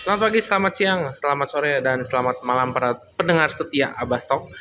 selamat pagi selamat siang selamat sore dan selamat malam para pendengar setia abbastok